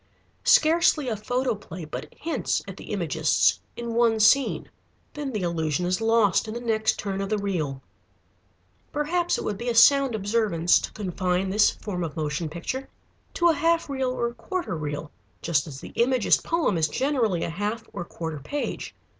Scarcely a photoplay but hints at the Imagists in one scene. Then the illusion is lost in the next turn of the reel. Perhaps it would be a sound observance to confine this form of motion picture to a half reel or quarter reel, just as the Imagist poem is generally a half or quarter page.